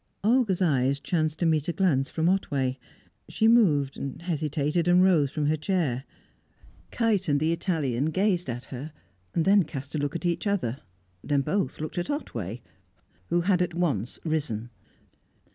Olga's eyes chanced to meet a glance from Otway. She moved, hesitated, and rose from her chair. Kite and the Italian gazed at her, then cast a look at each other, then both looked at Otway, who had at once risen.